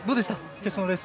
決勝のレース。